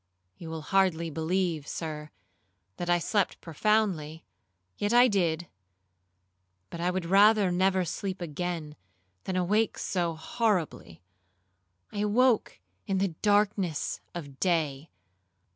You will hardly believe, Sir, that I slept profoundly; yet I did; but I would rather never sleep again, than awake so horribly. I awoke in the darkness of day.